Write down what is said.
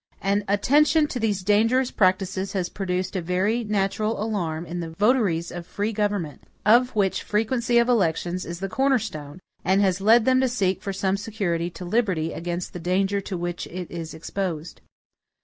An attention to these dangerous practices has produced a very natural alarm in the votaries of free government, of which frequency of elections is the corner stone; and has led them to seek for some security to liberty, against the danger to which it is exposed.